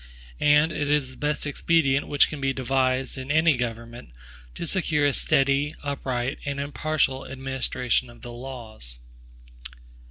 And it is the best expedient which can be devised in any government, to secure a steady, upright, and impartial administration of the laws.